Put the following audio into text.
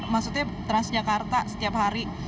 maksudnya transjakarta setiap hari